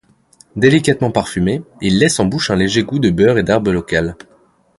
Délicatement parfumé, il laisse en bouche un léger goût de beurre et d'herbes locales.